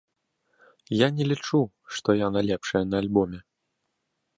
Я не лічу, што яна лепшая на альбоме.